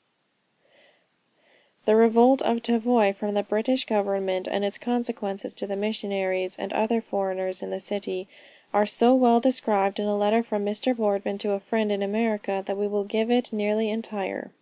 B. The revolt of Tavoy from the British government, and its consequences to the missionaries and other foreigners in the city, are so well described in a letter from Mr. Boardman to a friend in America, that we will give it nearly entire.